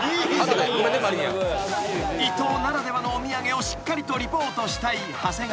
［伊東ならではのお土産をしっかりとリポートしたい長谷川］